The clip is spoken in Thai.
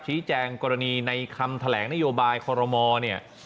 แจ้งกรณีในคำแถลงนโยบายคอรมอลเนี่ย